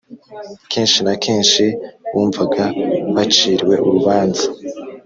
kenshi na kenshi bumvaga baciriwe urubanza